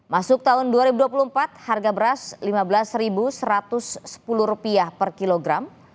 masuk tahun dua ribu dua puluh empat harga beras rp lima belas satu ratus sepuluh per kilogram